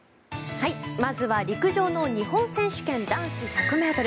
まずは陸上の日本選手権男子１００ｍ。